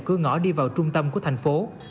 cứ ngõ đi vào trung tâm của thành phố